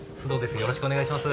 よろしくお願いします